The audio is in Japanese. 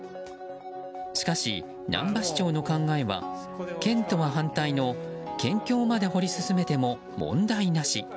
しかし、難波市長の考えは県とは反対の県境まで掘り進めても問題なし。